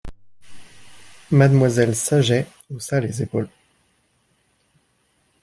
Mademoiselle Saget haussa les épaules.